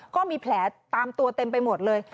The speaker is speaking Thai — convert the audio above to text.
ก็มีแผลตามตัวเต็มไปหมดเลย